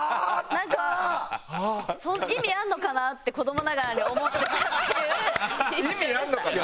なんか意味あんのかなって子どもながらに思ってたっていう印象でした。